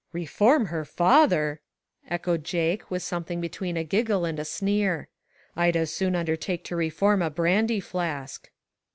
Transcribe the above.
" Reform her father !" echoed Jake with something between a giggle and a sneer ; "I'd as soon undertake to reform a brandy flask."